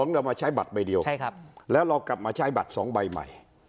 เรามาใช้บัตรใบเดียวแล้วเรากลับมาใช้บัตร๒ใบใหม่